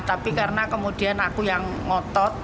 tapi karena kemudian aku yang ngotot